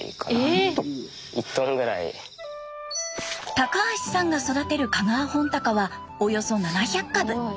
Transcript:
高橋さんが育てる香川本鷹はおよそ７００株。